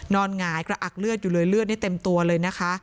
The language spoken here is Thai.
หงายกระอักเลือดอยู่เลยเลือดนี่เต็มตัวเลยนะคะ